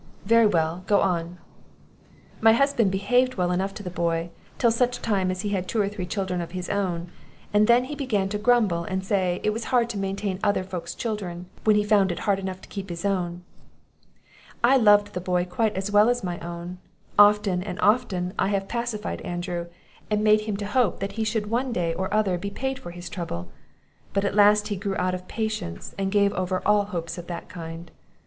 "Very well; go on." "My husband behaved well enough to the boy, till such time as he had two or three children of his own; and then he began to grumble, and say, it was hard to maintain other folks' children, when he found it hard enough to keep his own; I loved the boy quite as well as my own; often and often have I pacified Andrew, and made him to hope that he should one day or other be paid for his trouble; but at last he grew out of patience, and gave over all hopes of that kind.